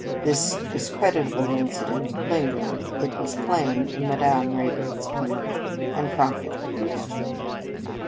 This discreditable incident lingered, it was plain, in Madame Rayburn s memory, and prompted her question.